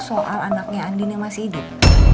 soal anaknya andi yang masih hidup